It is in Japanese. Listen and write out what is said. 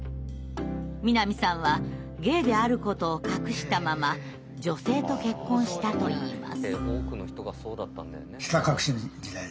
南さんはゲイであることを隠したまま女性と結婚したといいます。